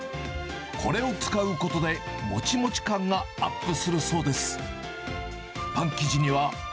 これを使うことで、もちもち感がアップするそうです。